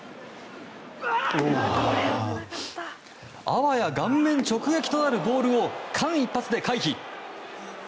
あわや顔面直撃となるボールを間一髪で回避。